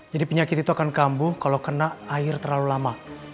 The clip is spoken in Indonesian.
jadi penyakit itu akan kambuh kalau kena air terlalu lama